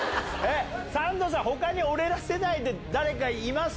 三度さん、ほかに俺ら世代で、誰かいます？